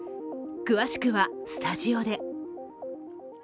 詳しくはスタジオで。